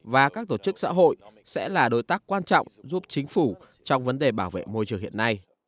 và các tổ chức xã hội sẽ là đối tác quan trọng giúp chính phủ trong vấn đề bảo vệ môi trường hiện nay